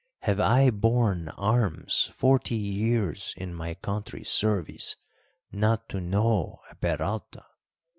Have I borne arms forty years in my country's service not to know a Peralta!